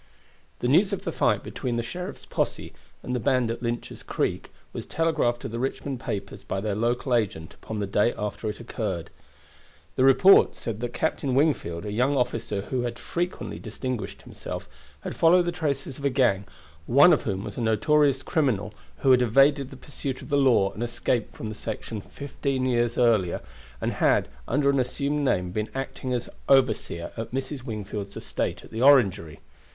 The news of the fight between the sheriff's posse and the band at Lynch's Creek was telegraphed to the Richmond papers by their local agent upon the day after it occurred. The report said that Captain Wingfield, a young officer who had frequently distinguished himself, had followed the traces of a gang, one of whom was a notorious criminal who had evaded the pursuit of the law and escaped from that section fifteen years ago, and had, under an assumed name, been acting as overseer at Mrs. Wingfield's estate of the Orangery.